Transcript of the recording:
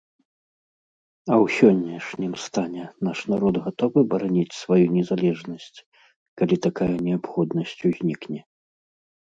А ў сённяшнім стане наш народ гатовы бараніць сваю незалежнасць, калі такая неабходнасць узнікне?